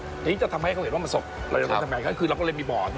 อันนี้จะทำให้เขาเห็นว่ามันสดใช่เราจะต้องทำให้เขาคือเราก็เลยมีบ่อนี่